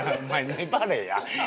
粘れや！